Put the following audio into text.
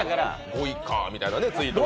５位かーみたいなツイートが。